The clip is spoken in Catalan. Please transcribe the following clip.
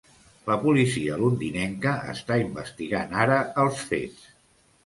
La policia londinenca està investigant ara els fets.